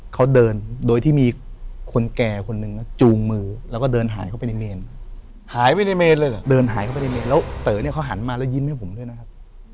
เขามาแล้วยิ้มให้ผมด้วยนะครับ